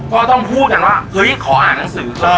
พ่อต้องพูดกันว่าเฮ้ยขออ่านหนังสือ